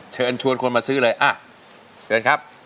เชิญชวนคนมาซื้อเลยอ่ะเชิญครับ